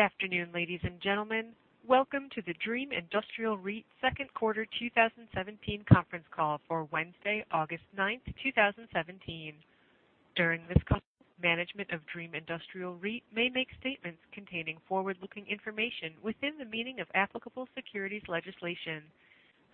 Good afternoon, ladies and gentlemen. Welcome to the Dream Industrial REIT second quarter 2017 conference call for Wednesday, August 9, 2017. During this call, management of Dream Industrial REIT may make statements containing forward-looking information within the meaning of applicable securities legislation.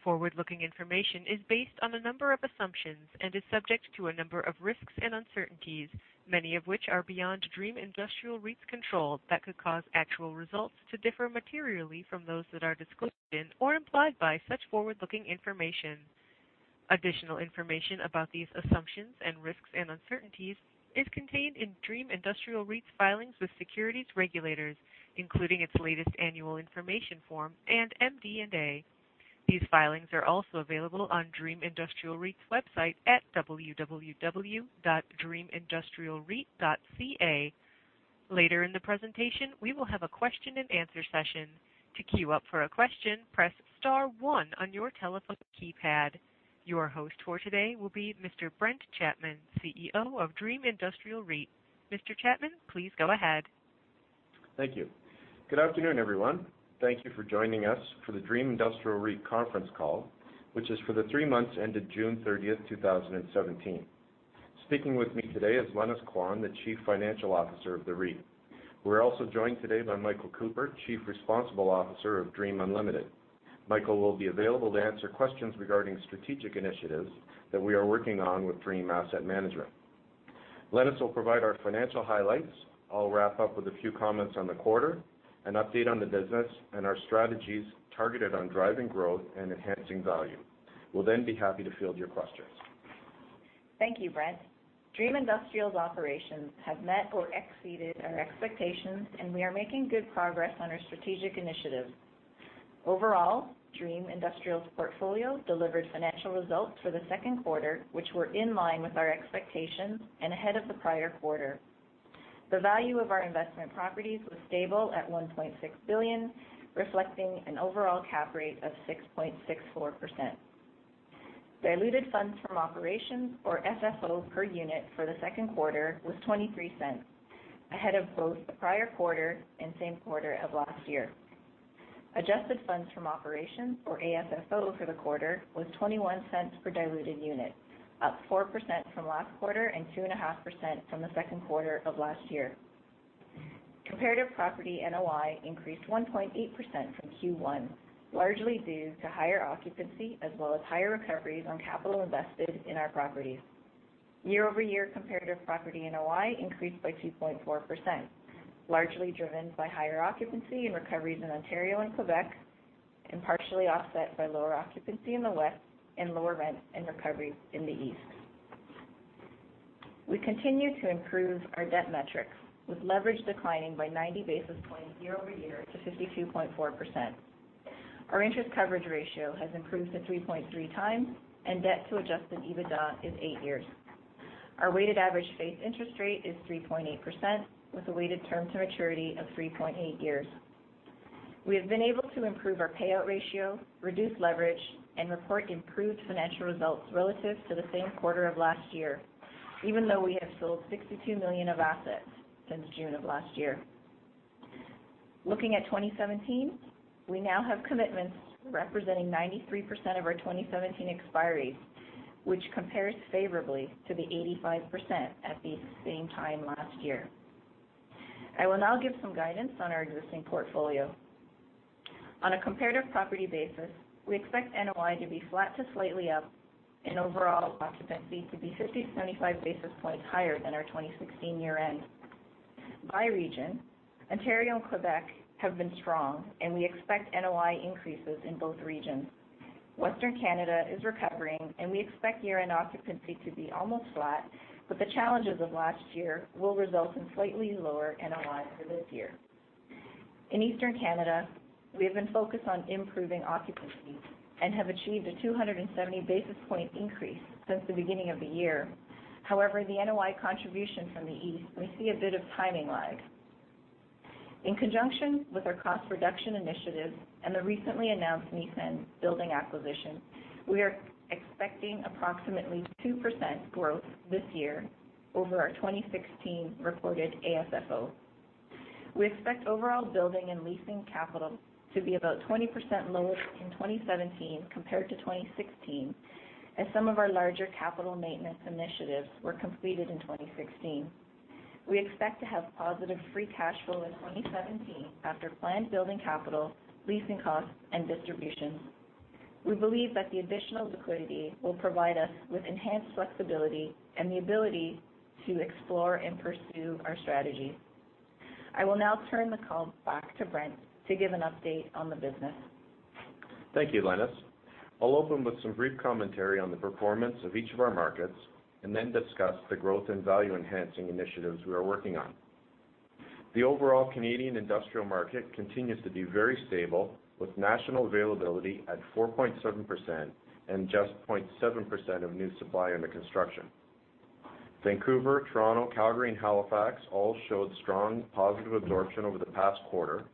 Forward-looking information is based on a number of assumptions and is subject to a number of risks and uncertainties, many of which are beyond Dream Industrial REIT's control that could cause actual results to differ materially from those that are disclosed in or implied by such forward-looking information. Additional information about these assumptions and risks and uncertainties is contained in Dream Industrial REIT's filings with securities regulators, including its latest annual information form and MD&A. These filings are also available on Dream Industrial REIT's website at www.dreamindustrialreit.ca. Later in the presentation, we will have a question and answer session. To queue up for a question, press *1 on your telephone keypad. Your host for today will be Mr. Brent Chapman, CEO of Dream Industrial REIT. Mr. Chapman, please go ahead. Thank you. Good afternoon, everyone. Thank you for joining us for the Dream Industrial REIT conference call, which is for the three months ended June 30, 2017. Speaking with me today is Lenis Quan, the Chief Financial Officer of the REIT. We are also joined today by Michael Cooper, Chief Responsible Officer of Dream Unlimited. Michael will be available to answer questions regarding strategic initiatives that we are working on with Dream Asset Management. Lenis will provide our financial highlights. I will wrap up with a few comments on the quarter, an update on the business, and our strategies targeted on driving growth and enhancing value. We will then be happy to field your questions. Thank you, Brent. Dream Industrial's operations have met or exceeded our expectations, and we are making good progress on our strategic initiatives. Overall, Dream Industrial's portfolio delivered financial results for the second quarter, which were in line with our expectations and ahead of the prior quarter. The value of our investment properties was stable at 1.6 billion, reflecting an overall cap rate of 6.64%. Diluted funds from operations or FFO per unit for the second quarter was 0.23, ahead of both the prior quarter and same quarter of last year. Adjusted funds from operations or AFFO for the quarter was 0.21 per diluted unit, up 4% from last quarter and 2.5% from the second quarter of last year. Comparative property NOI increased 1.8% from Q1, largely due to higher occupancy as well as higher recoveries on capital invested in our properties. Year-over-year comparative property NOI increased by 2.4%, largely driven by higher occupancy and recoveries in Ontario and Quebec, and partially offset by lower occupancy in the West and lower rent and recovery in the East. We continue to improve our debt metrics, with leverage declining by 90 basis points year-over-year to 52.4%. Our interest coverage ratio has improved to 3.3 times, and debt to adjusted EBITDA is eight years. Our weighted average base interest rate is 3.8%, with a weighted term to maturity of 3.8 years. We have been able to improve our payout ratio, reduce leverage, and report improved financial results relative to the same quarter of last year, even though we have sold 62 million of assets since June of last year. Looking at 2017, we now have commitments representing 93% of our 2017 expiries, which compares favorably to the 85% at the same time last year. I will now give some guidance on our existing portfolio. On a comparative property basis, we expect NOI to be flat to slightly up and overall occupancy to be 50 to 75 basis points higher than our 2016 year-end. By region, Ontario and Quebec have been strong, and we expect NOI increases in both regions. Western Canada is recovering, and we expect year-end occupancy to be almost flat, but the challenges of last year will result in slightly lower NOI for this year. In Eastern Canada, we have been focused on improving occupancy and have achieved a 270-basis point increase since the beginning of the year. However, the NOI contribution from the East, we see a bit of timing lag. In conjunction with our cost reduction initiatives and the recently announced Mississauga building acquisition, we are expecting approximately 2% growth this year over our 2016 recorded AFFO. We expect overall building and leasing capital to be about 20% lower in 2017 compared to 2016, as some of our larger capital maintenance initiatives were completed in 2016. We expect to have positive free cash flow in 2017 after planned building capital, leasing costs, and distributions. We believe that the additional liquidity will provide us with enhanced flexibility and the ability to explore and pursue our strategies. I will now turn the call back to Brent to give an update on the business. Thank you, Lenis. I'll open with some brief commentary on the performance of each of our markets and then discuss the growth and value-enhancing initiatives we are working on. The overall Canadian industrial market continues to be very stable, with national availability at 4.7% and just 0.7% of new supply under construction. Vancouver, Toronto, Calgary, and Halifax all showed strong positive absorption over the past quarter,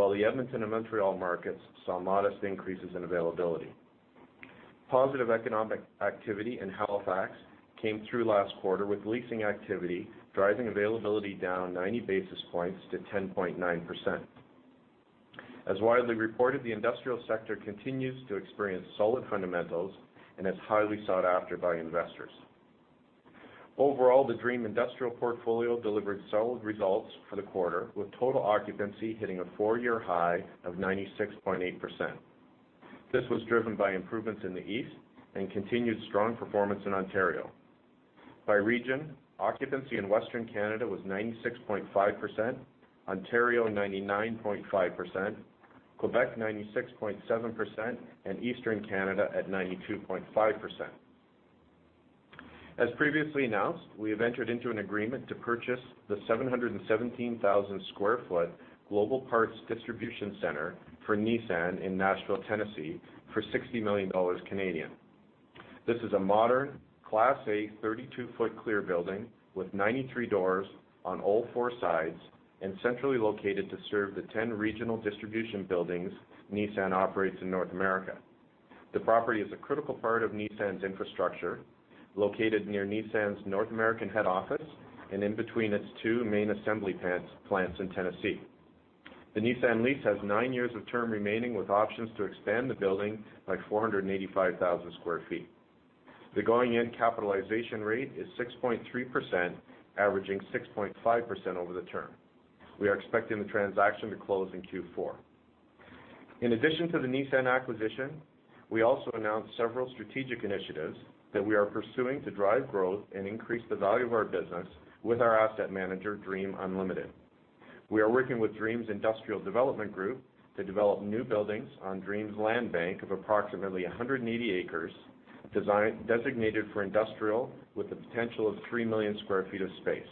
while the Edmonton and Montreal markets saw modest increases in availability. Positive economic activity in Halifax came through last quarter with leasing activity driving availability down 90 basis points to 10.9%. As widely reported, the industrial sector continues to experience solid fundamentals and is highly sought after by investors. Overall, the Dream Industrial portfolio delivered solid results for the quarter, with total occupancy hitting a four-year high of 96.8%. This was driven by improvements in the East and continued strong performance in Ontario. By region, occupancy in Western Canada was 96.5%, Ontario 99.5%, Quebec 96.7%, and Eastern Canada at 92.5%. As previously announced, we have entered into an agreement to purchase the 717,000 square foot Nissan Parts Re-Distribution Center in Nashville, Tennessee, for 60 million Canadian dollars. This is a modern Class A 32-foot clear building with 93 doors on all four sides and centrally located to serve the 10 regional distribution buildings Nissan operates in North America. The property is a critical part of Nissan's infrastructure, located near Nissan's North American head office and in between its two main assembly plants in Tennessee. The Nissan lease has nine years of term remaining, with options to expand the building by 485,000 square feet. The going-in capitalization rate is 6.3%, averaging 6.5% over the term. We are expecting the transaction to close in Q4. In addition to the Nissan acquisition, we also announced several strategic initiatives that we are pursuing to drive growth and increase the value of our business with our asset manager, Dream Unlimited. We are working with Dream's Industrial Development Group to develop new buildings on Dream's land bank of approximately 180 acres, designated for industrial, with the potential of three million square feet of space.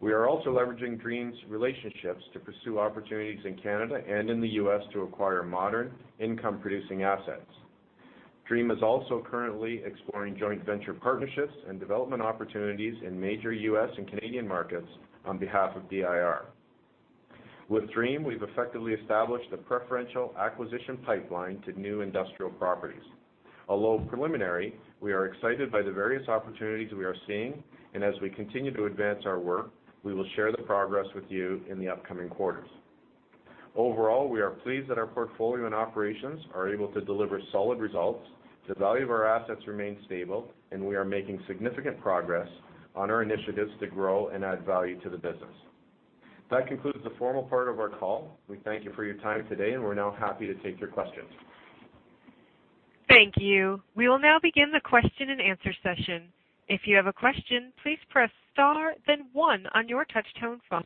We are also leveraging Dream's relationships to pursue opportunities in Canada and in the U.S. to acquire modern income-producing assets. Dream is also currently exploring joint venture partnerships and development opportunities in major U.S. and Canadian markets on behalf of DIR. With Dream, we've effectively established a preferential acquisition pipeline to new industrial properties. Preliminary, we are excited by the various opportunities we are seeing, and as we continue to advance our work, we will share the progress with you in the upcoming quarters. We are pleased that our portfolio and operations are able to deliver solid results. The value of our assets remains stable, and we are making significant progress on our initiatives to grow and add value to the business. That concludes the formal part of our call. We thank you for your time today, we're now happy to take your questions. Thank you. We will now begin the question and answer session. If you have a question, please press star, then one on your touch-tone phone.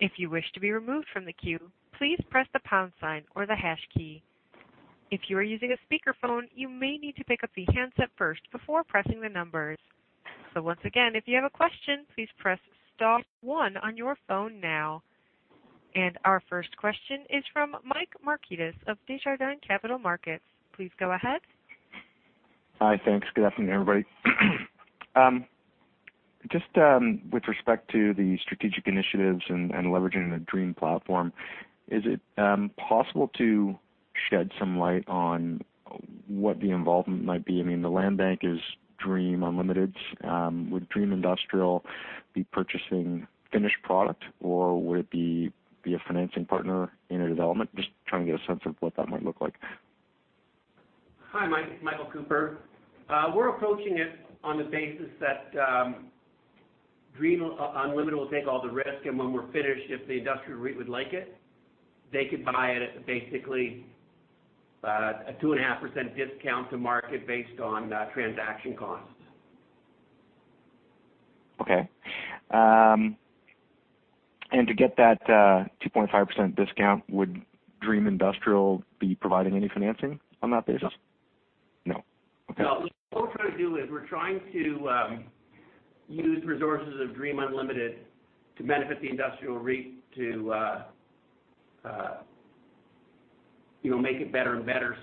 If you wish to be removed from the queue, please press the pound sign or the hash key. If you are using a speakerphone, you may need to pick up the handset first before pressing the numbers. Once again, if you have a question, please press star one on your phone now. And our first question is from Michael Markidis of Desjardins Capital Markets. Please go ahead. Hi, thanks. Good afternoon, everybody. Just with respect to the strategic initiatives and leveraging the Dream platform, is it possible to shed some light on what the involvement might be? The Land Bank is Dream Unlimited's. Would Dream Industrial be purchasing finished product, or would it be a financing partner in a development? Just trying to get a sense of what that might look like. Hi, Mike. Michael Cooper. We're approaching it on the basis that Dream Unlimited will take all the risk. When we're finished, if the Industrial REIT would like it, they could buy it at basically a 2.5% discount to market based on transaction costs. Okay. To get that 2.5% discount, would Dream Industrial be providing any financing on that basis? No. Okay. No. What we're trying to do is we're trying to use resources of Dream Unlimited to benefit the Industrial REIT to make it better and better.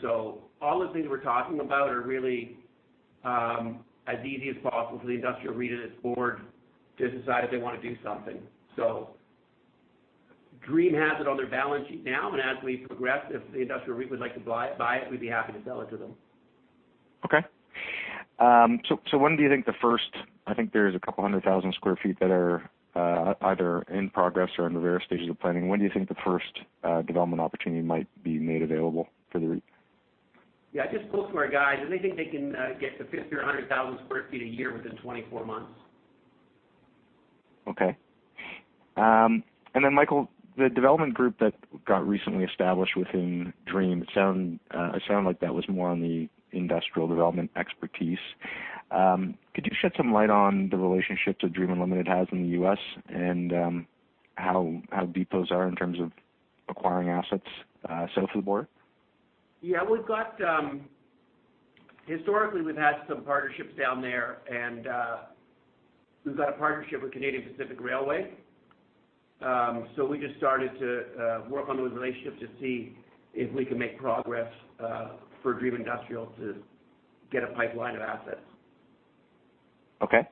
All the things we're talking about are really as easy as possible for the Industrial REIT and its board to decide if they want to do something. Dream has it on their balance sheet now. As we progress, if the Industrial REIT would like to buy it, we'd be happy to sell it to them. Okay. I think there's a couple hundred thousand sq ft that are either in progress or in the various stages of planning. When do you think the first development opportunity might be made available for the REIT? Yeah, I just spoke to our guys, they think they can get the 50 or 100,000 sq ft a year within 24 months. Okay. Michael, the development group that got recently established within Dream, it sounded like that was more on the industrial development expertise. Could you shed some light on the relationships that Dream Unlimited has in the U.S. and how deep those are in terms of acquiring assets south of the border? Yeah. Historically, we've had some partnerships down there, we've got a partnership with Canadian Pacific Railway. We just started to work on those relationships to see if we can make progress for Dream Industrial to get a pipeline of assets. Okay.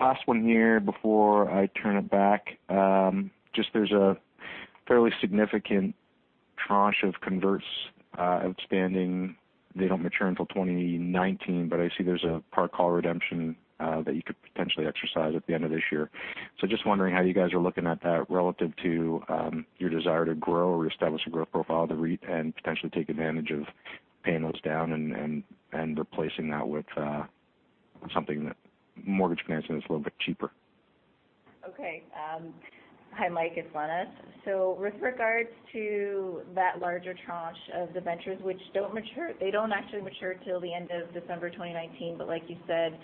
Last one here before I turn it back. There's a fairly significant tranche of converts outstanding. They don't mature until 2019. I see there's a par call redemption that you could potentially exercise at the end of this year. Just wondering how you guys are looking at that relative to your desire to grow or establish a growth profile of the REIT and potentially take advantage of paying those down and replacing that with something, that mortgage financing that's a little bit cheaper. Okay. Hi, Mike, it's Lenis. With regards to that larger tranche of the converts, which they don't actually mature until the end of December 2019. Like you said,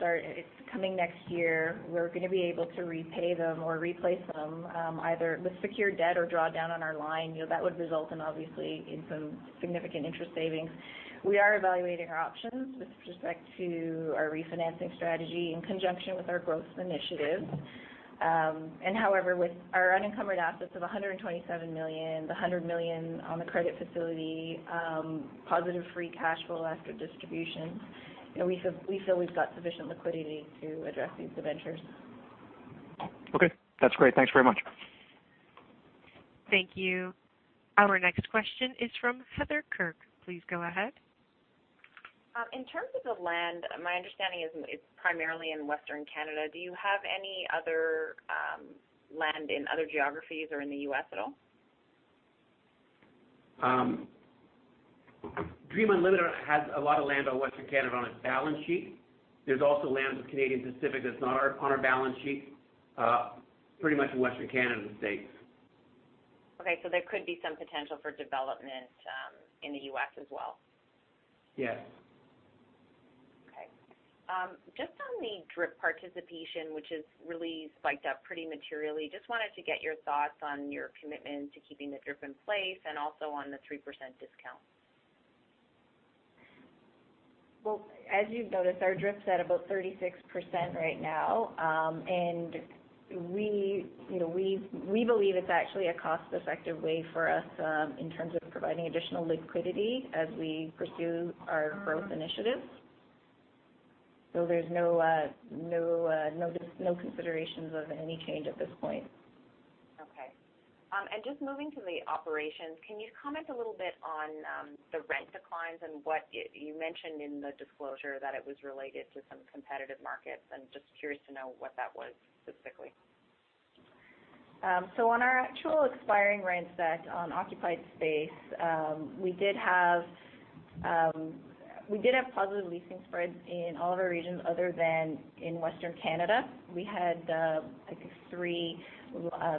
it's coming next year. We're going to be able to repay them or replace them, either with secured debt or draw down on our line. That would result obviously in some significant interest savings. We are evaluating our options with respect to our refinancing strategy in conjunction with our growth initiatives. However, with our unencumbered assets of 127 million, the 100 million on the credit facility, positive free cash flow after distribution, we feel we've got sufficient liquidity to address these converts. Okay. That's great. Thanks very much. Thank you. Our next question is from Heather Kirk. Please go ahead. In terms of the land, my understanding is it's primarily in Western Canada. Do you have any other land in other geographies or in the U.S. at all? Dream Unlimited has a lot of land on Western Canada on its balance sheet. There's also lands with Canadian Pacific that's not on our balance sheet. Pretty much in Western Canada and the States. Okay, there could be some potential for development in the U.S. as well. Yes. Okay. Just on the DRIP participation, which has really spiked up pretty materially, just wanted to get your thoughts on your commitment to keeping the DRIP in place and also on the 3% discount. Well, as you've noticed, our DRIP's at about 36% right now. We believe it's actually a cost-effective way for us in terms of providing additional liquidity as we pursue our growth initiatives. There's no considerations of any change at this point. Okay. Just moving to the operations, can you comment a little bit on the rent declines and what you mentioned in the disclosure that it was related to some competitive markets, I'm just curious to know what that was specifically. On our actual expiring rents, on occupied space, we did have positive leasing spreads in all of our regions other than in Western Canada. We had, I think three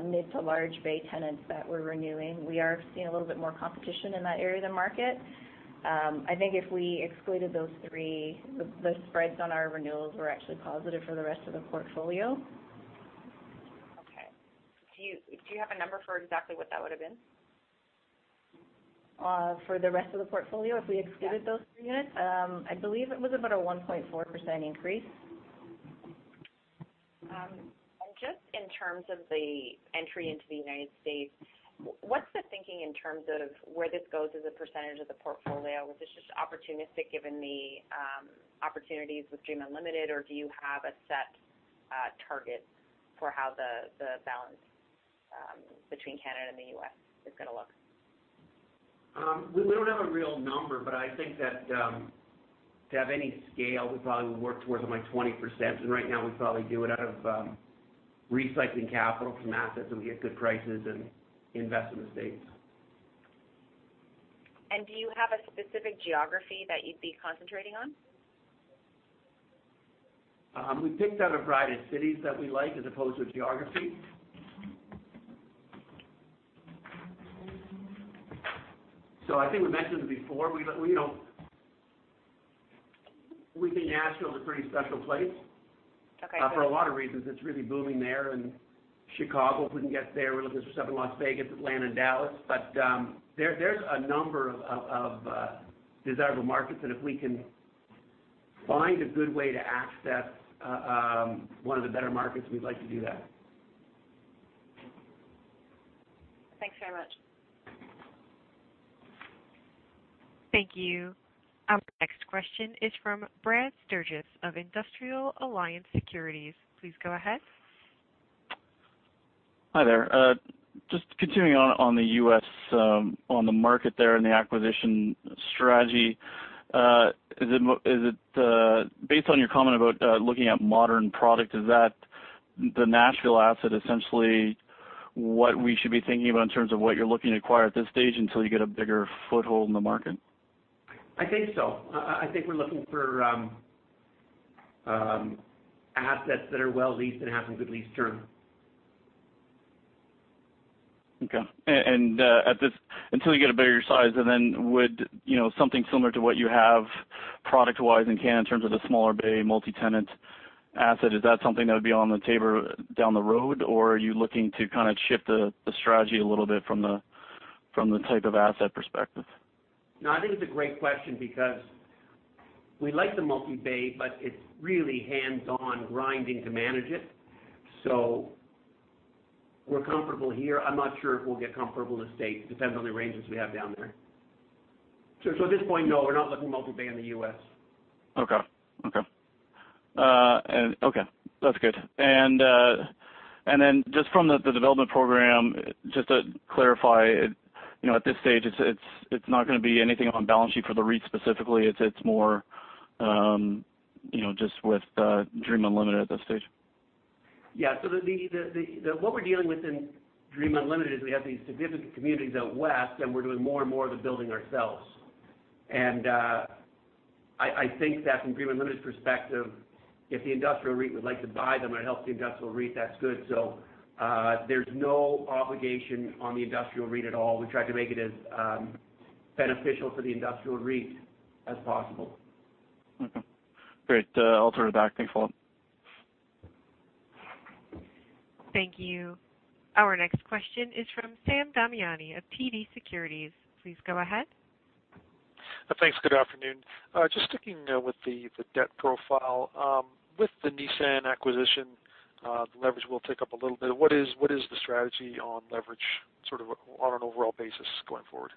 mid to large bay tenants that were renewing. We are seeing a little bit more competition in that area of the market. I think if we excluded those three, the spreads on our renewals were actually positive for the rest of the portfolio. Okay. Do you have a number for exactly what that would've been? For the rest of the portfolio if we excluded those three units? Yeah. I believe it was about a 1.4% increase. Just in terms of the entry into the United States, what's the thinking in terms of where this goes as a percentage of the portfolio? Was this just opportunistic given the opportunities with Dream Unlimited, or do you have a set target for how the balance between Canada and the U.S. is going to look? We don't have a real number, but I think that to have any scale, we probably work towards like 20%. Right now, we probably do it out of recycling capital from assets when we get good prices and invest in the U.S. Do you have a specific geography that you'd be concentrating on? We picked out a variety of cities that we like as opposed to geography. I think we mentioned it before. We think Nashville's a pretty special place. Okay. For a lot of reasons. It's really booming there. Chicago, if we can get there. We're looking for stuff in Las Vegas, Atlanta, and Dallas. There's a number of desirable markets that if we can find a good way to access one of the better markets, we'd like to do that. Thanks very much. Thank you. Our next question is from Brad Sturges of Industrial Alliance Securities. Please go ahead. Hi there. Just continuing on the U.S., on the market there, and the acquisition strategy. Based on your comment about looking at modern product, is that the Nashville asset, essentially what we should be thinking about in terms of what you're looking to acquire at this stage until you get a bigger foothold in the market? I think so. I think we're looking for assets that are well leased and have some good lease term. Okay. Until you get a bigger size, and then would something similar to what you have product-wise in Canada in terms of the smaller bay multi-tenant asset, is that something that would be on the table down the road, or are you looking to kind of shift the strategy a little bit from the type of asset perspective? I think it's a great question because we like the multi-bay, but it's really hands-on grinding to manage it. We're comfortable here. I'm not sure if we'll get comfortable in the U.S. Depends on the ranges we have down there. At this point, no, we're not looking to multi-bay in the U.S. Okay. That's good. Then just from the development program, just to clarify, at this stage, it's not going to be anything on balance sheet for the REIT specifically. It's more just with Dream Unlimited at this stage. Yeah. What we're dealing with in Dream Unlimited is we have these significant communities out West, we're doing more and more of the building ourselves. I think that from Dream Unlimited's perspective, if the industrial REIT would like to buy them, it helps the industrial REIT. That's good. There's no obligation on the industrial REIT at all. We try to make it as beneficial for the industrial REIT as possible. Okay. Great. I'll turn it back. Thank you for that. Thank you. Our next question is from Sam Damiani of TD Securities. Please go ahead. Thanks. Good afternoon. Just sticking with the debt profile. With the Nissan acquisition, the leverage will tick up a little bit. What is the strategy on leverage sort of on an overall basis going forward?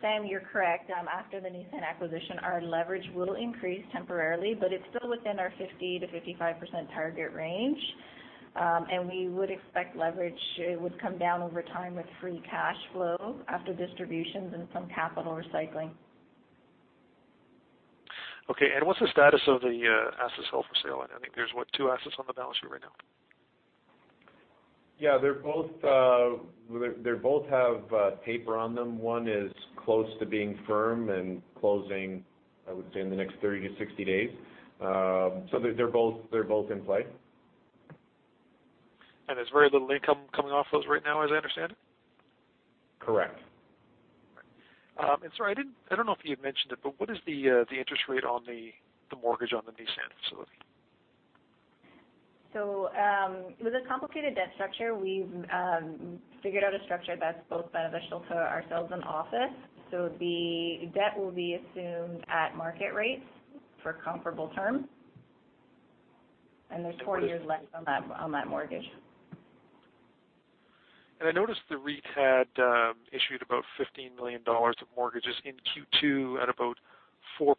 Sam, you are correct. After the Nissan acquisition, our leverage will increase temporarily, but it is still within our 50%-55% target range. We would expect leverage would come down over time with free cash flow after distributions and some capital recycling. Okay. What is the status of the assets held for sale? I think there is, what, two assets on the balance sheet right now? Yeah, they both have paper on them. One is close to being firm and closing, I would say, in the next 30-60 days. They're both in play. There's very little income coming off those right now, as I understand it? Correct. All right. Sorry, I don't know if you had mentioned it, but what is the interest rate on the mortgage on the Nissan facility? It was a complicated debt structure. We've figured out a structure that's both beneficial to ourselves and Office. The debt will be assumed at market rates for comparable terms. There's four years left on that mortgage. I noticed the REIT had issued about 15 million dollars of mortgages in Q2 at about 4%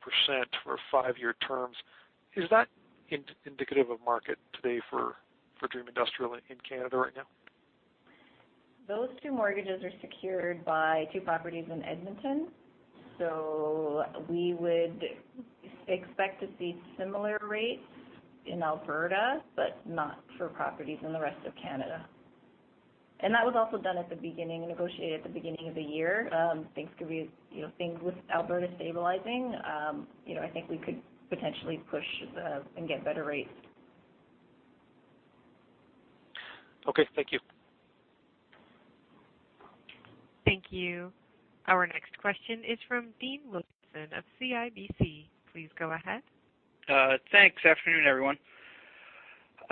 for five-year terms. Is that indicative of market today for Dream Industrial in Canada right now? Those two mortgages are secured by two properties in Edmonton. We would expect to see similar rates in Alberta, but not for properties in the rest of Canada. That was also done at the beginning, negotiated at the beginning of the year. Things with Alberta stabilizing, I think we could potentially push and get better rates. Okay. Thank you. Thank you. Our next question is from Dean Wilkinson of CIBC. Please go ahead. Thanks. Afternoon, everyone.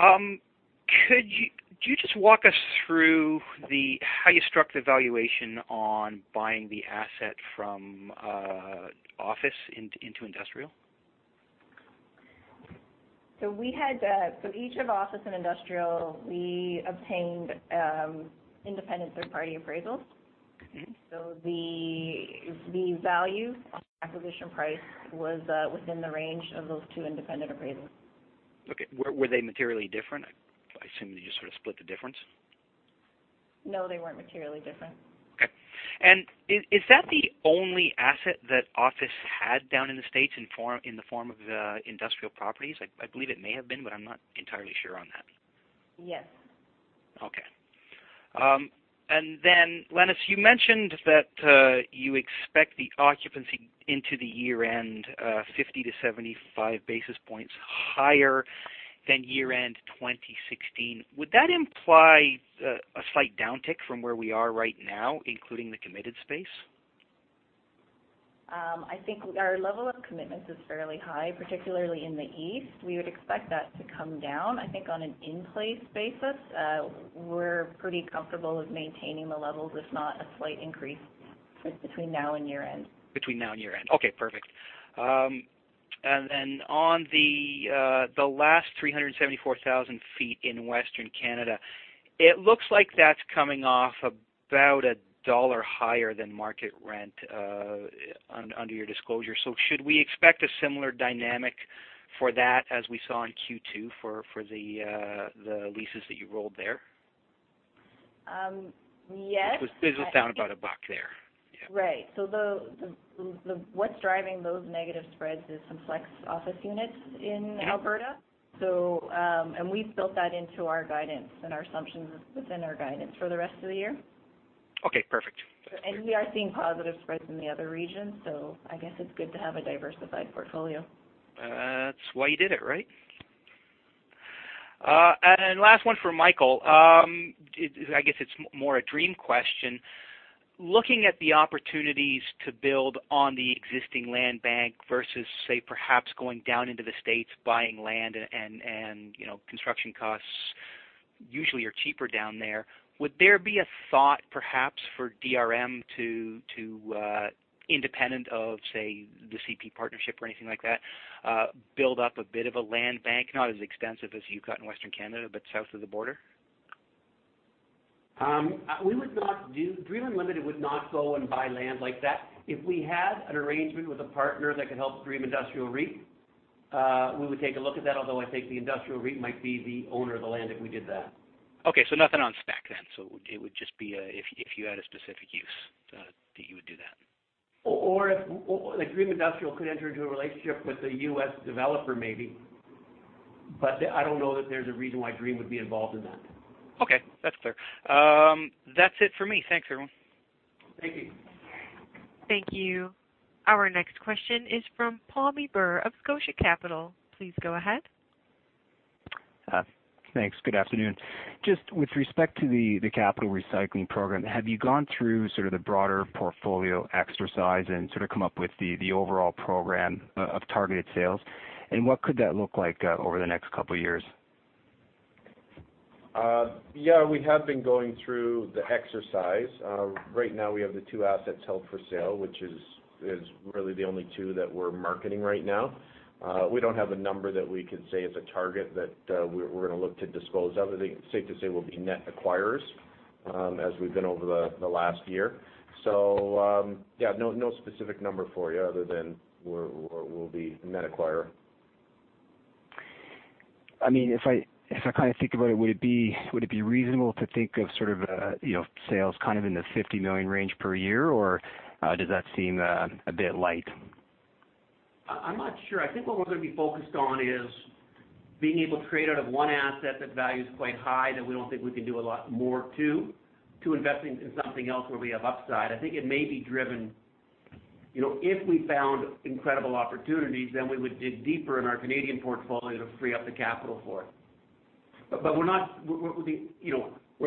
Could you just walk us through how you struck the valuation on buying the asset from Office into Industrial? Each of Office and Industrial, we obtained independent third-party appraisals. The value acquisition price was within the range of those two independent appraisals. Okay. Were they materially different? I assume you just sort of split the difference. No, they weren't materially different. Okay. Is that the only asset that Office had down in the U.S. in the form of industrial properties? I believe it may have been, but I'm not entirely sure on that. Yes. Okay. Lenis, you mentioned that you expect the occupancy into the year-end 50 to 75 basis points higher than year-end 2016. Would that imply a slight downtick from where we are right now, including the committed space? I think our level of commitments is fairly high, particularly in the East. We would expect that to come down. I think on an in-place basis, we're pretty comfortable with maintaining the levels, if not a slight increase between now and year-end. Between now and year-end. Okay, perfect. On the last 374,000 feet in Western Canada, it looks like that's coming off about CAD 1 higher than market rent under your disclosure. Should we expect a similar dynamic for that as we saw in Q2 for the leases that you rolled there? Yes. It was down about CAD 1 there. Yeah. Right. What's driving those negative spreads is some flex office units in Alberta. Yeah. We've built that into our guidance and our assumptions within our guidance for the rest of the year. Okay, perfect. We are seeing positive spreads in the other regions. I guess it's good to have a diversified portfolio. That's why you did it, right? Last one for Michael. I guess it's more a Dream question. Looking at the opportunities to build on the existing land bank versus, say, perhaps going down into the U.S. buying land and construction costs usually are cheaper down there. Would there be a thought perhaps for DRM to, independent of, say, the CP partnership or anything like that, build up a bit of a land bank, not as extensive as you've got in Western Canada, but south of the border? Dream Unlimited would not go and buy land like that. If we had an arrangement with a partner that could help Dream Industrial REIT, we would take a look at that. Although I think the Industrial REIT might be the owner of the land if we did that. Okay. Nothing on spec then. It would just be if you had a specific use, that you would do that. If Dream Industrial could enter into a relationship with a U.S. developer, maybe. I don't know that there's a reason why Dream would be involved in that. Okay. That's clear. That's it for me. Thanks, everyone. Thank you. Thank you. Our next question is from Paul Meagher of Scotia Capital. Please go ahead. Thanks. Good afternoon. Just with respect to the capital recycling program, have you gone through sort of the broader portfolio exercise and sort of come up with the overall program of targeted sales, and what could that look like over the next couple of years? Yeah, we have been going through the exercise. Right now, we have the two assets held for sale, which is really the only two that we're marketing right now. We don't have a number that we can say is a target that we're going to look to dispose of. I think it's safe to say we'll be net acquirers, as we've been over the last year. Yeah, no specific number for you other than we'll be a net acquirer. If I think about it, would it be reasonable to think of sort of sales kind of in the 50 million range per year, or does that seem a bit light? I'm not sure. I think what we're going to be focused on is being able to create out of one asset that value is quite high, that we don't think we can do a lot more to investing in something else where we have upside. I think it may be driven. If we found incredible opportunities, then we would dig deeper in our Canadian portfolio to free up the capital for it. We're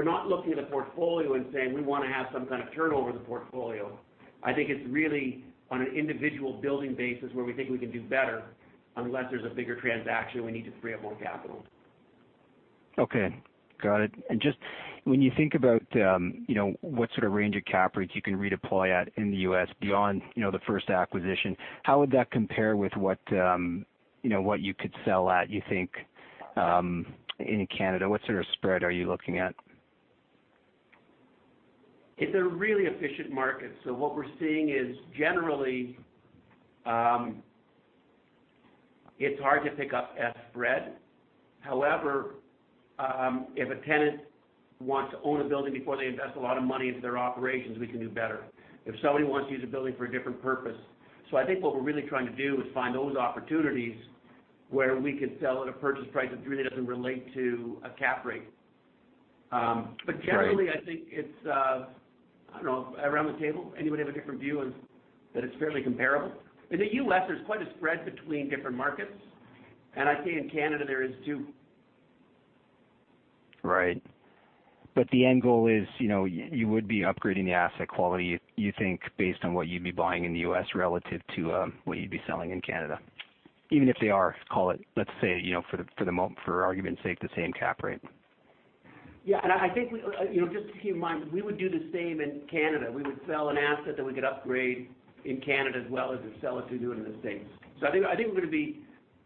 not looking at a portfolio and saying we want to have some kind of turnover in the portfolio. I think it's really on an individual building basis where we think we can do better unless there's a bigger transaction, we need to free up more capital. Okay. Got it. Just when you think about what sort of range of cap rates you can redeploy at in the U.S. beyond the first acquisition, how would that compare with what you could sell at, you think, in Canada? What sort of spread are you looking at? It's a really efficient market. What we're seeing is generally, it's hard to pick up a spread. However, if a tenant wants to own a building before they invest a lot of money into their operations, we can do better. If somebody wants to use a building for a different purpose. I think what we're really trying to do is find those opportunities where we could sell at a purchase price that really doesn't relate to a cap rate. Right. Generally, I think it's I don't know, around the table, anybody have a different view that it's fairly comparable? In the U.S., there's quite a spread between different markets, and I think in Canada, there is, too. Right. The end goal is you would be upgrading the asset quality, you think, based on what you'd be buying in the U.S. relative to what you'd be selling in Canada. Even if they are, call it, let's say, for argument's sake, the same cap rate. Yeah. I think, just to keep in mind, we would do the same in Canada. We would sell an asset that we could upgrade in Canada as well as sell it to do it in the U.S. I think we're going to be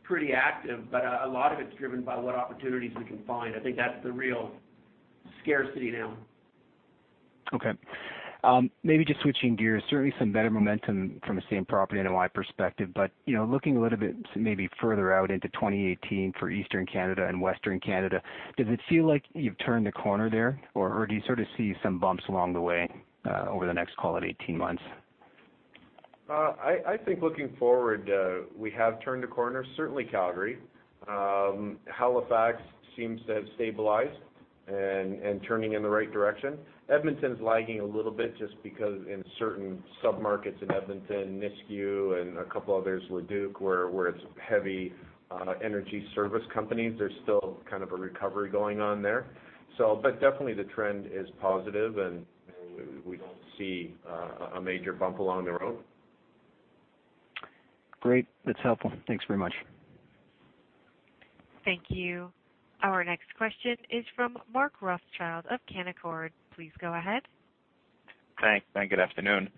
pretty active, but a lot of it's driven by what opportunities we can find. I think that's the real scarcity now. Okay. Maybe just switching gears, certainly some better momentum from a same property NOI perspective. Looking a little bit maybe further out into 2018 for Eastern Canada and Western Canada, does it feel like you've turned a corner there, or do you sort of see some bumps along the way over the next, call it, 18 months? I think looking forward, we have turned a corner, certainly Calgary. Halifax seems to have stabilized and turning in the right direction. Edmonton's lagging a little bit just because in certain sub-markets in Edmonton, Nisku, and a couple others, Leduc, where it's heavy energy service companies. There's still kind of a recovery going on there. Definitely the trend is positive, and we don't see a major bump along the road. Great. That's helpful. Thanks very much. Thank you. Our next question is from Mark Rothschild of Canaccord. Please go ahead. Thanks. Good afternoon.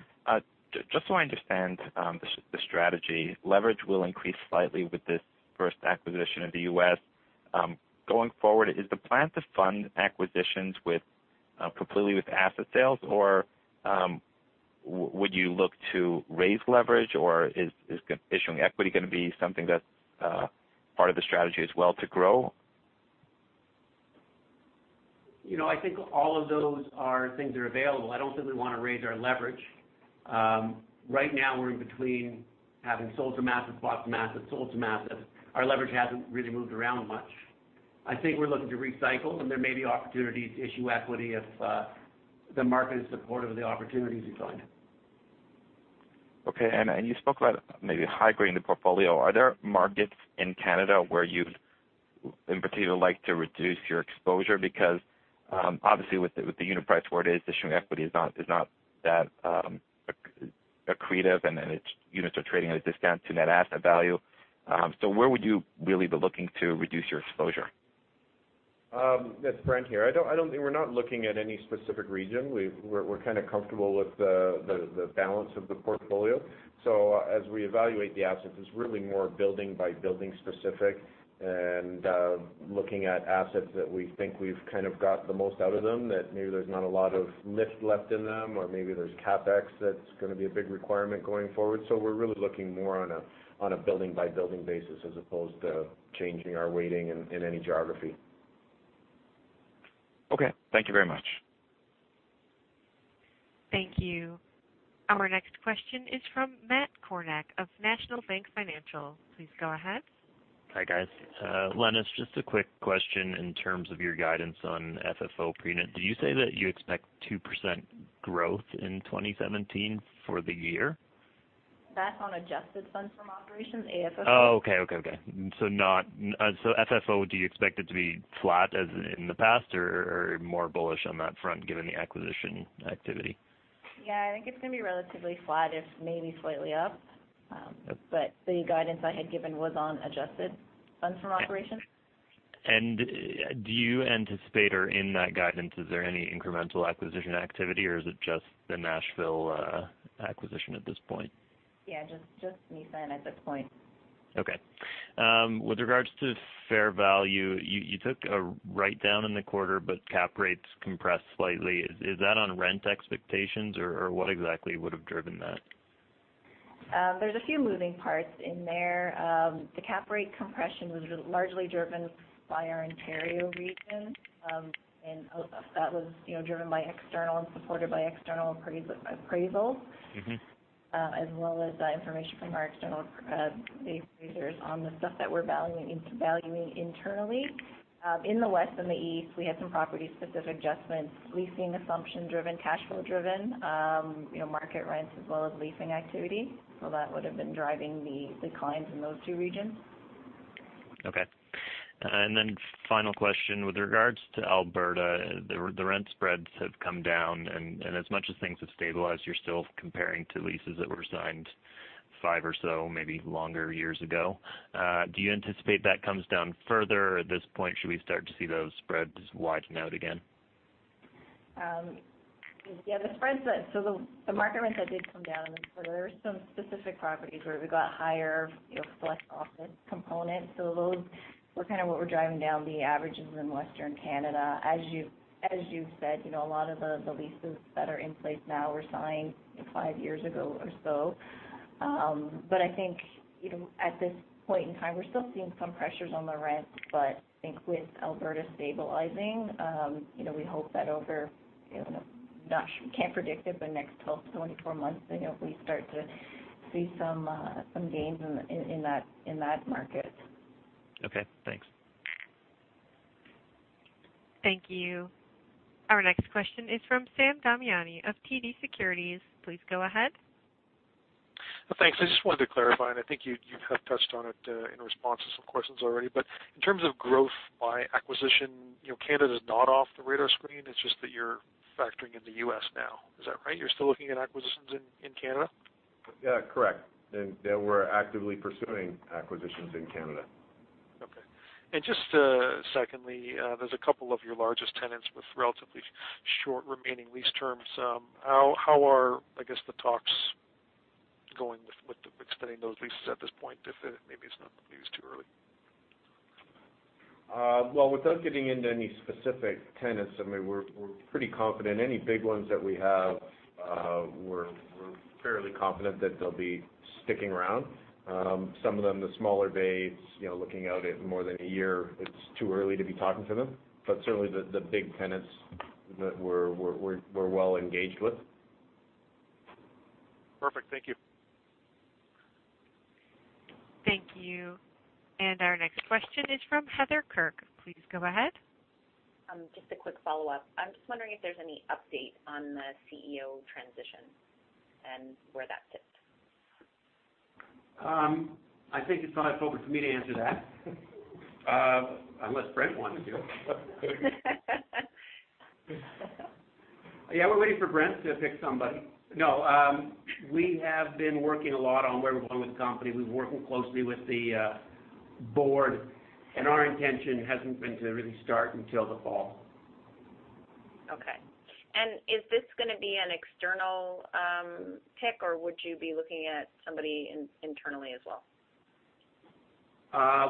Just so I understand the strategy, leverage will increase slightly with this first acquisition in the U.S. Going forward, is the plan to fund acquisitions completely with asset sales, or would you look to raise leverage, or is issuing equity going to be something that's part of the strategy as well to grow? I think all of those are things that are available. I don't think we want to raise our leverage. Right now, we're in between having sold some assets, bought some assets, sold some assets. Our leverage hasn't really moved around much. I think we're looking to recycle, and there may be opportunities to issue equity if the market is supportive of the opportunities we find. Okay. You spoke about maybe high-grading the portfolio. Are there markets in Canada where you'd, in particular, like to reduce your exposure? Obviously with the unit price where it is, issuing equity is not that accretive, and then its units are trading at a discount to net asset value. Where would you really be looking to reduce your exposure? It's Brent here. We're not looking at any specific region. We're kind of comfortable with the balance of the portfolio. As we evaluate the assets, it's really more building-by-building specific and looking at assets that we think we've got the most out of them, that maybe there's not a lot of lift left in them, or maybe there's CapEx that's going to be a big requirement going forward. We're really looking more on a building-by-building basis as opposed to changing our weighting in any geography. Okay. Thank you very much. Thank you. Our next question is from Matt Kornack of National Bank Financial. Please go ahead. Hi, guys. Lenis, just a quick question in terms of your guidance on FFO. Did you say that you expect 2% growth in 2017 for the year? That's on adjusted funds from operations, AFFO. Oh, okay. FFO, do you expect it to be flat as in the past or more bullish on that front given the acquisition activity? Yeah, I think it's going to be relatively flat, if maybe slightly up. The guidance I had given was on adjusted funds from operations. Do you anticipate, or in that guidance, is there any incremental acquisition activity, or is it just the Nashville acquisition at this point? Yeah, just Nissan at this point. Okay. With regards to fair value, you took a write-down in the quarter, but cap rates compressed slightly. Is that on rent expectations, or what exactly would've driven that? There's a few moving parts in there. The cap rate compression was largely driven by our Ontario region. That was driven by external and supported by external appraisals. As well as information from our external appraisers on the stuff that we're valuing internally. In the West and the East, we had some property-specific adjustments, leasing assumption-driven, cash flow-driven, market rents as well as leasing activity. That would've been driving the declines in those two regions. Okay. Final question. With regards to Alberta, the rent spreads have come down, and as much as things have stabilized, you're still comparing to leases that were signed five or so, maybe longer, years ago. Do you anticipate that comes down further at this point? Should we start to see those spreads widen out again? Yeah. The market rents that did come down, there are some specific properties where we got higher select office components. Those were what were driving down the averages in Western Canada. As you've said, a lot of the leases that are in place now were signed five years ago or so. I think at this point in time, we're still seeing some pressures on the rents, but I think with Alberta stabilizing, we hope that over, we can't predict it, but next 12 months-24 months, we start to see some gains in that market. Okay, thanks. Thank you. Our next question is from Sam Damiani of TD Securities. Please go ahead. Thanks. I just wanted to clarify, I think you have touched on it in response to some questions already, but in terms of growth by acquisition, Canada's not off the radar screen, it's just that you're factoring in the U.S. now. Is that right? You're still looking at acquisitions in Canada? Yeah, correct. We're actively pursuing acquisitions in Canada. Okay. Just secondly, there's a couple of your largest tenants with relatively short remaining lease terms. How are the talks going with extending those leases at this point? Maybe it's not, maybe it's too early. Well, without getting into any specific tenants, we're pretty confident any big ones that we have, we're fairly confident that they'll be sticking around. Some of them, the smaller bays, looking out at more than a year, it's too early to be talking to them. Certainly, the big tenants that we're well-engaged with. Perfect. Thank you. Thank you. Our next question is from Heather Kirk. Please go ahead. Just a quick follow-up. I'm just wondering if there's any update on the CEO transition and where that sits. I think it's not appropriate for me to answer that. Unless Brent wanted to. Yeah, we're waiting for Brent to pick somebody. No. We have been working a lot on where we're going with the company. We've been working closely with the board. Our intention hasn't been to really start until the fall. Okay. Is this going to be an external pick, or would you be looking at somebody internally as well?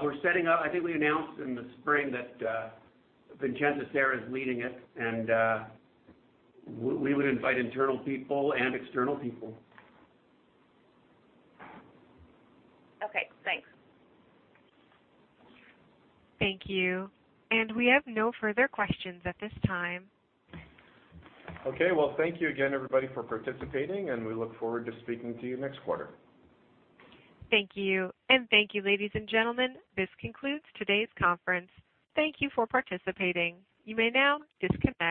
We're setting up, I think we announced in the spring that Vincenza Sera is leading it. We would invite internal people and external people. Okay, thanks. Thank you. We have no further questions at this time. Okay. Well, thank you again, everybody, for participating, and we look forward to speaking to you next quarter. Thank you. Thank you, ladies and gentlemen. This concludes today's conference. Thank you for participating. You may now disconnect.